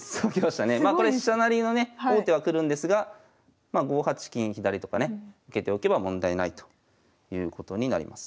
まあこれ飛車成りのね王手はくるんですがまあ５八金左とかね受けておけば問題ないということになります。